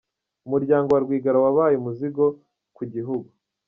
Umuryango wa Rwigara wabaye umuzigo ku Igihugu